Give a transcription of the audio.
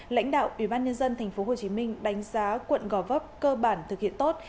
lãnh đạo ủy ban nhân dân tp hcm đánh giá quận gò vấp cơ bản thực hiện tốt